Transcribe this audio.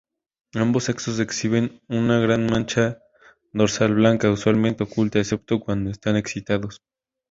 Ambos sexos exhiben una gran mancha dorsal blanca, usualmente oculta, excepto cuando están excitados.